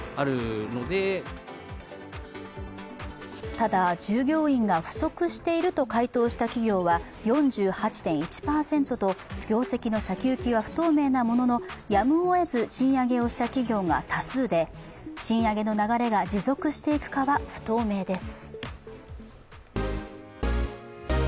ただ、従業員が不足していると回答した企業は４８．１％と業績の先行きは不透明なもののやむをえず賃上げをした企業が多数で賃上げの流れが持続していくかは不透明です。